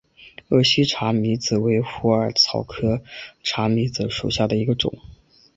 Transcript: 鄂西茶藨子为虎耳草科茶藨子属下的一个种。